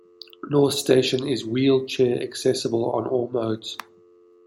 North Station is wheelchair accessible on all modes.